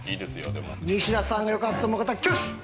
西田さんが良かったと思う方挙手！